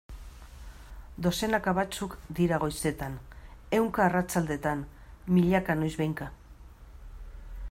Dozenaka batzuk dira goizetan, ehunka arratsaldetan, milaka noizbehinka...